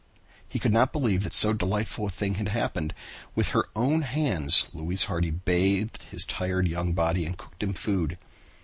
He could not believe that so delightful a thing had happened. With her own hands Louise Hardy bathed his tired young body and cooked him food.